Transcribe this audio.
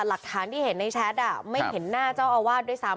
หลักฐานที่เห็นในแชทไม่เห็นหน้าเจ้าอาวาสด้วยซ้ำ